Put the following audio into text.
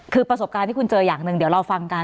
คือประสบการณ์ที่คุณเจออย่างหนึ่งเดี๋ยวเราฟังกัน